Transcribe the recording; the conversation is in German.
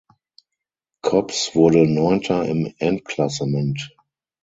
Kops wurde Neunter im Endklassement.